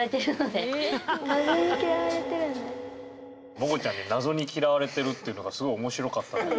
モコちゃんに謎に嫌われてるっていうのがすごい面白かったんだけど。